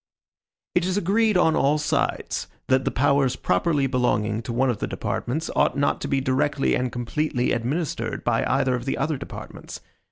It is agreed on all sides, that the powers properly belonging to one of the departments ought not to be directly and completely administered by either of the other departments.